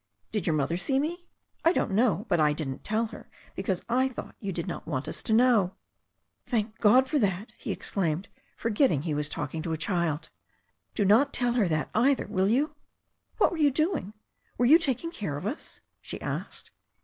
"Did your mother see me?" "I don't know. But I didn't tell her, because I thought you did not want us to know." "Thank God for that!" he exclaimed, forgetting he was talking to a child. "Do not tell her that, either, will you?" "What were you doing? Were you taking care of us?" she asked.